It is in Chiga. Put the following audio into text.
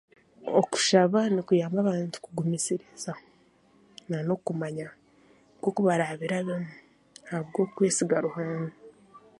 Okushaba nikuyamba abantu kugumisiriza nan'okumanya nk'oku baraabirabemu ahabw'okwesiga Ruhanga